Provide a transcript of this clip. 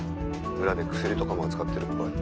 裏で薬とかも扱ってるっぽい。